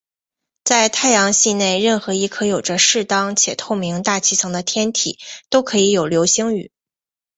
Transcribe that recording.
在太阳系内任何一颗有着适当且透明大气层的天体都可以有流星雨。